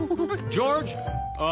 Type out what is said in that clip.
ジョージ！